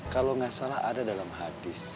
kalo gak salah ada dalam hadis